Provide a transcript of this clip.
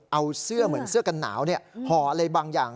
เอาเสื้อเหมือนเสื้อกันหนาวห่ออะไรบางอย่าง